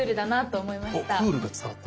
おっクールが伝わった。